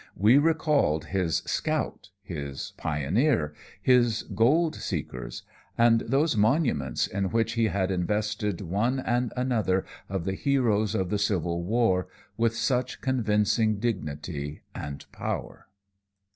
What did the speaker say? We recalled his "Scout," his "Pioneer," his "Gold Seekers," and those monuments in which he had invested one and another of the heroes of the Civil War with such convincing dignity and power.